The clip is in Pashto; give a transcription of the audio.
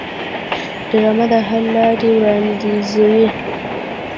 ډرامه د حل لارې وړاندیزوي